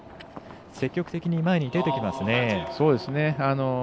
積極的に前に出てきますね。